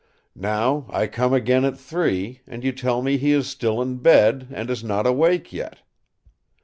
Now I come again at three, and you tell me he is still in bed, and is not awake yet.